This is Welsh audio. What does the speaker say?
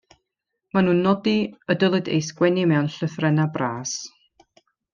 Maen nhw'n nodi y dylid ei sgwennu mewn llythrennau bras.